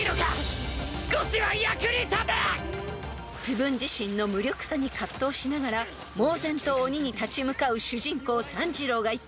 ［自分自身の無力さに葛藤しながら猛然と鬼に立ち向かう主人公炭治郎が言った］